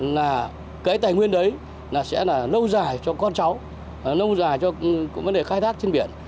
là cái tài nguyên đấy là sẽ là lâu dài cho con cháu lâu dài cho vấn đề khai thác trên biển